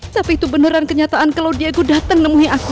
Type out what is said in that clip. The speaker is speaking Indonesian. tapi itu beneran kenyataan kalau dago datang nemuin aku